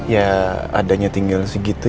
ya adanya tinggal segitu